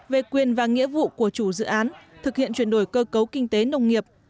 về quyền và nghĩa vụ của chủ dự án thực hiện chuyển đổi cơ cấu kinh tế nông nghiệp